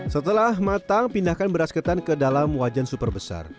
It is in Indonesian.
setelah matang pindahkan beras ketan ke dalam wajan super besar